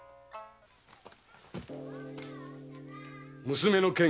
・娘の件